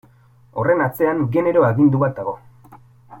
Horren atzean genero agindu bat dago.